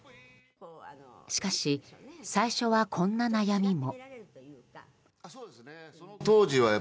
しかし、最初はこんな悩みも。